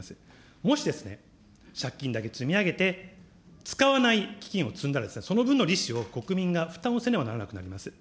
もしですね、借金だけ積み上げて、使わない基金を積んだら、その分の利子を国民が負担をせねばならなくなります。